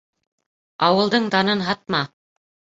— Ауылдың данын һатма!